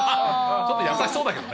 ちょっと優しそうだけどね。